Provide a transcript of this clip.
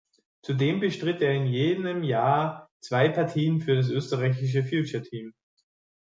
Zudem bestritt er in jenem Jahr zwei Partien für das österreichische Future-Team.